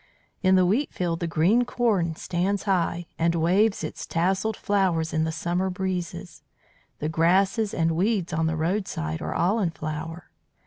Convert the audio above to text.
"In the wheatfield the green corn stands high, and waves its tasselled flowers in the summer breezes. The grasses and weeds on the roadside are all in flower.